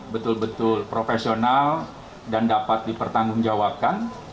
betul betul profesional dan dapat dipertanggungjawabkan